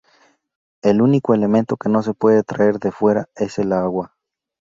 El único elemento que no se puede traer de fuera es el agua.